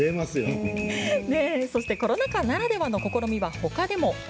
コロナ禍ならでの試みはほかでも。